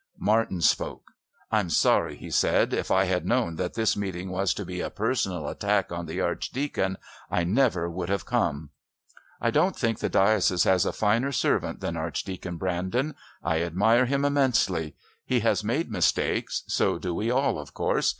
Martin spoke. "I'm sorry," he said. "If I had known that this meeting was to be a personal attack on the Archdeacon, I never would have come. I don't think the diocese has a finer servant than Archdeacon Brandon. I admire him immensely. He has made mistakes. So do we all of course.